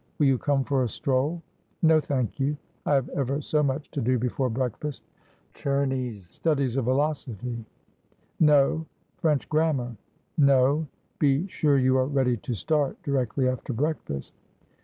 Will you come for a stroll ?' 'No, thank you. I have ever so much to do before break fast.' ' Czerny's " Studies of Velocity "?' 'No.' ' French grammar ?' 'No.' ' Be sure you are ready to start directly after breafast.'